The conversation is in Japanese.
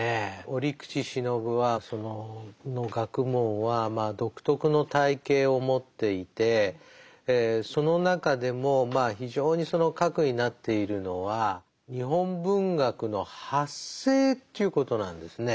折口信夫はその学問は独特の体系を持っていてその中でもまあ非常にその核になっているのは日本文学の発生ということなんですね。